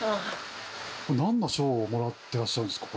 何の賞をもらってらっしゃるんですか？